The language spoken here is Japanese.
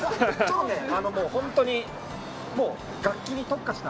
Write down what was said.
本当に、楽器に特化した。